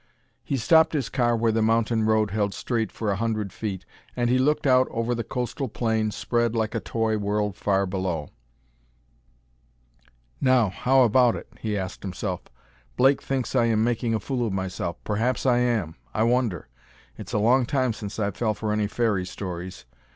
He stopped his car where the mountain road held straight for a hundred feet, and he looked out over the coastal plain spread like a toy world far below. "Now, how about it?" he asked himself. "Blake thinks I am making a fool of myself. Perhaps I am. I wonder. It's a long time since I fell for any fairy stories.